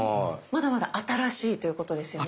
まだまだ新しいということですよね。